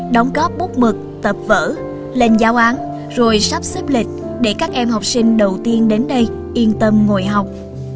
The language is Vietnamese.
đóng góp bút mực tập vở lên giáo án rồi sắp xếp lịch để các em học sinh đầu tiên đến đây yên tâm ngồi học